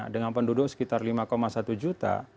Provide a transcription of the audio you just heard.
dengan penduduk sekitar lima satu juta